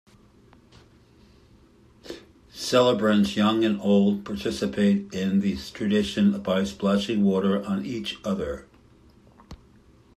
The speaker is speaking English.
Celebrants, young and old, participate in this tradition by splashing water on each other.